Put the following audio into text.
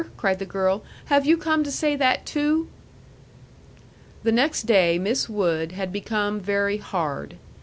cried the girl, "have you come to say that too?" The next day Miss Wood had become very hard.